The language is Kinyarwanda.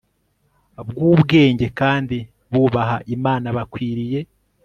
bwubwenge kandi bubaha Imana bakwiriye